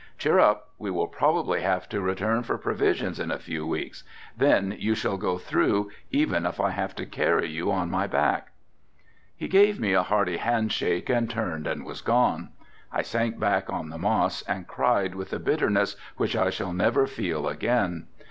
Cheer up, we will probably have to return for provisions in a few weeks. Then you shall go through, even if I have to carry you on my back." He gave me a hearty hand shake, turned and was gone. I sank back on the moss and cried with a bitterness which I shall never feel again.